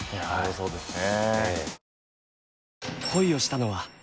そうですね。